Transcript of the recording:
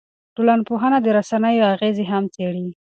ټولنپوهنه د رسنیو اغېزې هم څېړي.